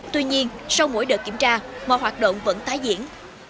tuy nhiên sau mỗi đợt kiểm tra mọi hoạt động vẫn tái diễn